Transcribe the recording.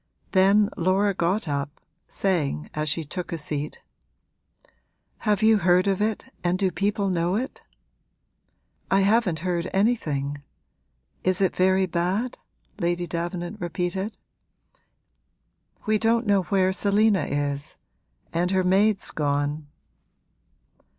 Then Laura got up, saying as she took a seat, 'Have you heard of it and do people know it?' 'I haven't heard anything. Is it very bad?' Lady Davenant repeated. 'We don't know where Selina is and her maid's gone.'